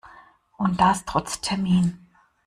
Und das trotz Termin.